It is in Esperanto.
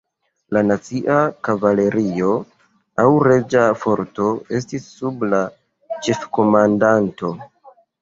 La "Nacia Kavalerio" aŭ "Reĝa Forto" estis sub la ĉefkomandanto.